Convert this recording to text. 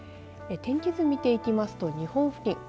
天気図見ていきますと日本付近。